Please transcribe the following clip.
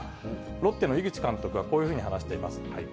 ロッテの井口監督はこういうふうに話しています。